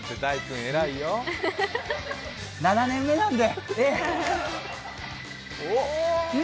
７年目なんで。